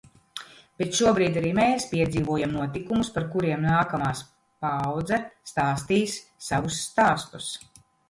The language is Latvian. Bet šobrīd arī mēs piedzīvojam notikumus, par kuriem nākamās paaudze stāstīs savus stāstus.